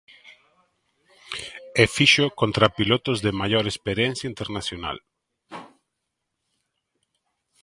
E fíxoo contra pilotos de maior experiencia internacional.